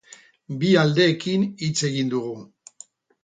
Bi aldeekin hitz egin dugu.